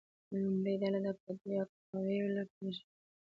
لومړۍ ډله د پادري اکواویوا په مشرۍ راغله.